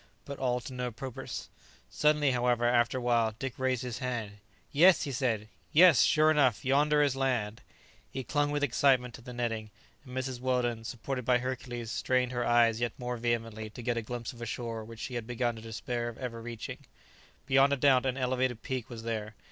But all to no purpose. Suddenly, however, after a while, Dick raised his hand. "Yes!" he said; "yes; sure enough, yonder is land." He clung with excitement to the netting; and Mrs Weldon, supported by Hercules, strained her eyes yet more vehemently to get a glimpse of a shore which she had begun to despair of ever reaching. Beyond a doubt an elevated peak was there.